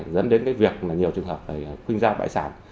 dẫn đến nhiều trường hợp khuyên giao bại sản